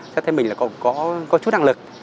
xét thấy mình là có chút năng lực